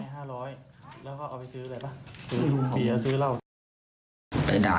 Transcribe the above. โอ้โฮนี่นะคะ